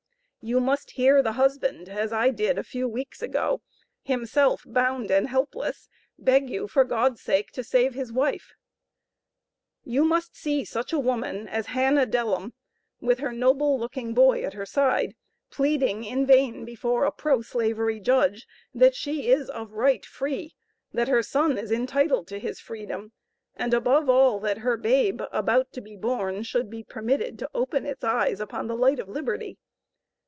You must hear the husband, as I did, a few weeks ago, himself bound and helpless, beg you for God's sake to save his wife. You must see such a woman as Hannah Dellam, with her noble looking boy at her side, pleading in vain before a pro slavery judge, that she is of right free; that her son is entitled to his freedom; and above all, that her babe, about to be born, should be permitted to open its eyes upon the light of liberty.